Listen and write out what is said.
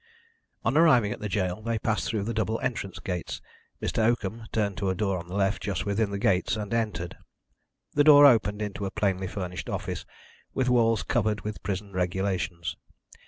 On arriving at the gaol they passed through the double entrance gates, Mr. Oakham turned to a door on the left just within the gates, and entered. The door opened into a plainly furnished office, with walls covered with prison regulations.